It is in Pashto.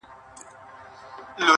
چي جانان وي قاسم یاره او صهبا وي,